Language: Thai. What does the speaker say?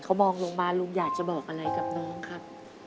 เขามองลงมาลุงอยากจะบอกอะไรกับน้องครับ